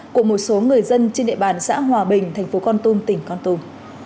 của một số người dân trên địa bàn xã hòa bình thành phố con tum tỉnh con tùm